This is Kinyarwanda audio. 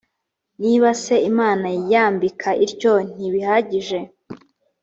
niba se imana yambika ityo ntibihagije